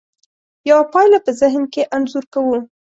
یوه پایله په ذهن کې انځور کوو.